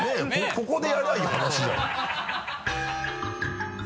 ここでやればいい話じゃない。